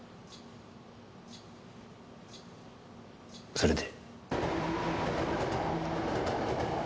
それで？